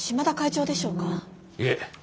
いえ。